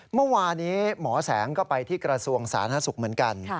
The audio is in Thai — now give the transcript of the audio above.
เมื่อวานี้หมอแสงก็ไปที่กระทรวงสาธารณสุขเหมือนกัน